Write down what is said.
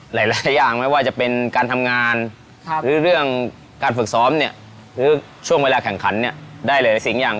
หลายอย่างไม่ว่าจะเป็นการทำงานหรือเรื่องการฝึกซ้อมเนี่ยหรือช่วงเวลาแข่งขันเนี่ยได้หลายสิ่งอย่าง